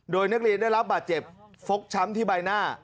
โดยนักเรียนได้รับบาดเจ็บฟกช้ำที่ใบหน้า